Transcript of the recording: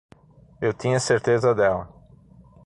Eu tinha certeza dela.